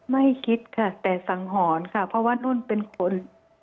ไม่คิดค่ะแต่สังหรณ์ค่ะเพราะว่านุ่นเป็นคน